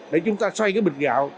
để chúng ta xoay cái bịch gạo